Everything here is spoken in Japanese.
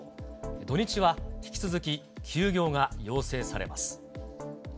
土日は引き続き、休業が要請されます。